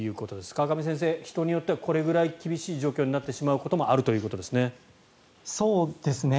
川上先生、人によってはこれぐらい厳しい状況になってしまうことがあるということですね。